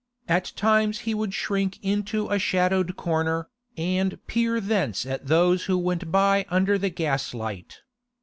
At times he would shrink into a shadowed corner, and peer thence at those who went by under the gaslight.